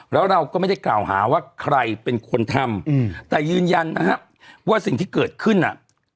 แล้วเราก็ไม่ได้กล่าวหาว่าใครเป็นคนทำแต่ยืนยันนะฮะว่าสิ่งที่เกิดขึ้นอ่ะ